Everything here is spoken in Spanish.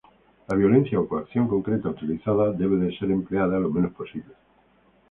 La violencia o coacción concreta utilizada debe ser empleada lo menos posible.